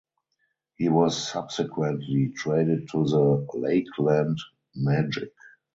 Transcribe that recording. He was subsequently traded to the Lakeland Magic.